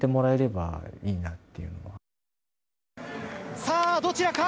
さあ、どちらか。